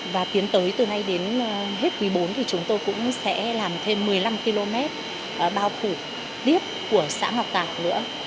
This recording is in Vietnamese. và tiến tới từ nay đến hết quý bốn thì chúng tôi cũng sẽ làm thêm một mươi năm km bao phủ tiếp của xã ngọc tạc nữa